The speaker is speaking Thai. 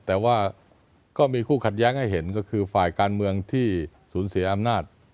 แต่ว่าก็มีคู่ขัดแย้งให้เห็นก็คือฝ่ายการเมืองที่สูญเสียอำนาจ